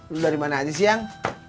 itu dari mana aja siang